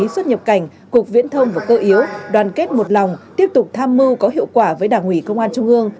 xuất nhập cảnh cục viễn thông và cơ yếu đoàn kết một lòng tiếp tục tham mưu có hiệu quả với đảng ủy công an trung ương